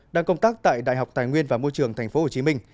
đang công tác tại đại học tài nguyên và môi trường tp hcm